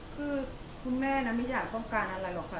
คือคุณแม่ไม่อยากต้องการอะไรหรอกค่ะ